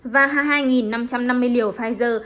và hai mươi hai năm trăm năm mươi liều pfizer